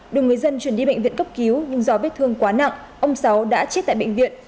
được người dân chuyển đi bệnh viện cấp cứu nhưng do vết thương quá nặng ông sáu đã chết tại bệnh viện